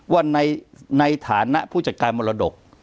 ว่าในฐานะผู้จัดการมรดก